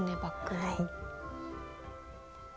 はい。